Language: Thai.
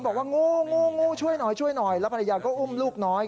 บอกว่างูกูกูช่วยหน่อยและภรรยาก็อุ้มลูกน้อย